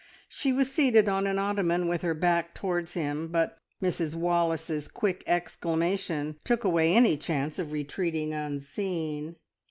She was seated on an ottoman with her back towards him, but Mrs Wallace's quick exclamation took away any chance of retreating unseen.